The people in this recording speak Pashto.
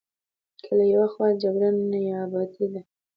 که له یوې خوا جګړه نیابتي ده.